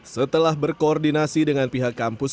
setelah berkoordinasi dengan pihak kampus